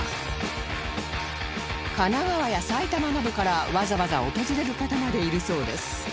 神奈川や埼玉などからわざわざ訪れる方までいるそうです